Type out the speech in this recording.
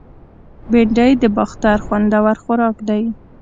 بېنډۍ د باختر خوندور خوراک دی